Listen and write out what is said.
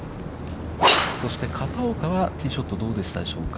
そして片岡はティーショット、どうでしたでしょうか。